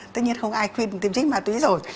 tất nhiên không ai khuyên tiêm trích ma túy rồi